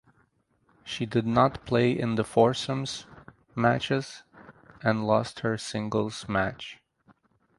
She did not play in the foursomes matches and lost her singles match.